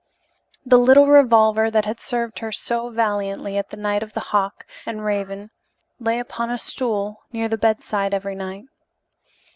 The little revolver that had served her so valiantly at the Inn of the Hawk and Raven lay upon a stool near the bedside every night.